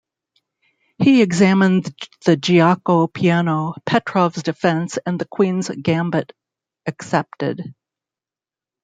He examined the Giuoco Piano, Petrov's Defence, and the Queen's Gambit Accepted.